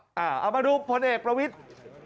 เอาล่ะมาดูผลเอกประวิจภัณฑ์